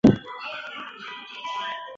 贝蒂欧岛是椰子核和珍珠的主要出口港。